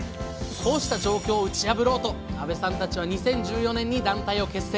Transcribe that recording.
こうした状況を打ち破ろうと阿部さんたちは２０１４年に団体を結成。